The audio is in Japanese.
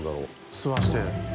吸わせて。